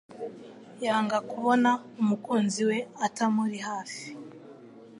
yanga kubona umukunzi we atamuri hafi,